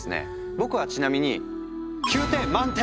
僕はちなみに９点！